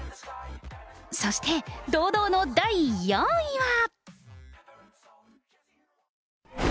そして、堂々の第４位は。